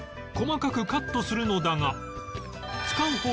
細かくカットするのだが